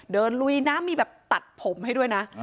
ลุยน้ำมีแบบตัดผมให้ด้วยนะ